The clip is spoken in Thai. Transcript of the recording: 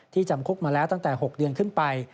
จำคุกมาแล้วตั้งแต่๖เดือนขึ้นไป